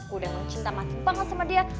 gue udah mau cinta mati banget sama dia